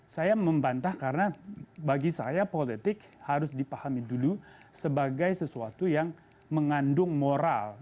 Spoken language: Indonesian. saya membantah karena bagi saya politik harus dipahami dulu sebagai sesuatu yang mengandung moral